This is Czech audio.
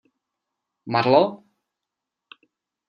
Marlo?